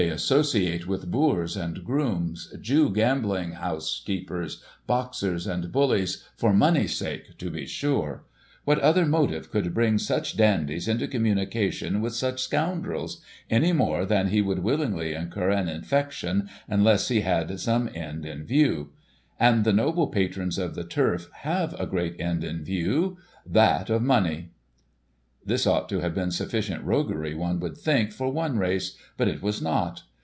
They associate with boors and grooms, Jew gambling house keepers, boxers and bullies, for money^s sake to be sure. What other motive could bring such dandies into communication with such scoundrels, any more than he would willingly incur an infection, unless he had some end in view. And the noble patrons of the Turf have a great end in view — ^that of money." This ought to have been sufficient roguery, one would think, for one race, but it was not.